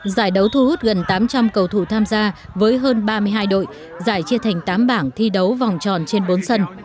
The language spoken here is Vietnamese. giải đấu thu hút gần tám trăm linh cầu thủ tham gia với hơn ba mươi hai đội giải chia thành tám bảng thi đấu vòng tròn trên bốn sân